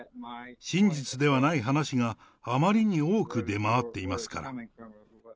真実ではない話が、あまりに多く出回っていますから。